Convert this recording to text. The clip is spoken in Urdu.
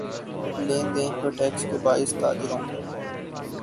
لین دین پر ٹیکس کے باعث تاجروں